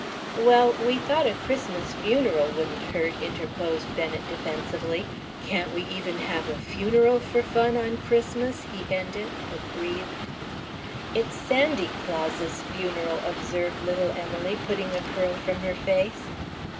"Well, we thought a Christmas funeral wouldn't hurt," interposed Bennet, defensively. "Can't we even have a funeral for fun on Christmas?" he ended, aggrieved. "It's Sandy Claus's funeral," observed little Emily putting a curl from her face.